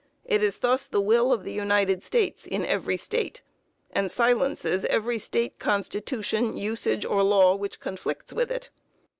It is thus the will of the United States in every State, and silences every State Constitution, usage or law which conflicts with it....